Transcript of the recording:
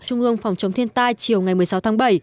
trung ương phòng chống thiên tai chiều ngày một mươi sáu tháng bảy